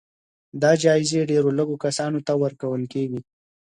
دا جايزې ډېر لږو کسانو ته ورکول کېږي.